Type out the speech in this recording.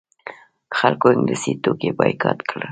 خلکو انګلیسي توکي بایکاټ کړل.